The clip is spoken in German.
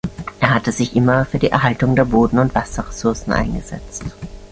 Er hatte sich immer für die Erhaltung der Boden- und Wasserressourcen eingesetzt.